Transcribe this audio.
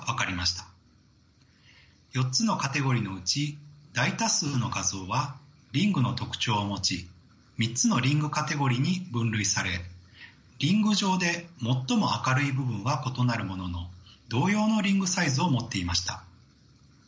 ４つのカテゴリーのうち大多数の画像はリングの特徴を持ち３つのリングカテゴリーに分類されリング上で最も明るい部分は異なるものの同様のリングサイズを持っていました。